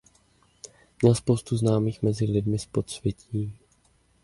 Měl spoustu známých mezi lidmi z podsvětí.